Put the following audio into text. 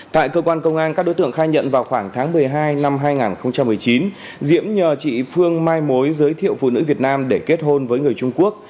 tại cơ quan công an các đối tượng khai nhận vào khoảng tháng một mươi hai năm hai nghìn một mươi chín diễm nhờ chị phương mai mối giới thiệu phụ nữ việt nam để kết hôn với người trung quốc